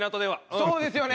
そうですよね。